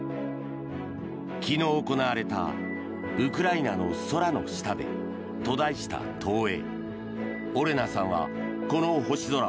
昨日行われた「ウクライナの空の下で」と題した投影。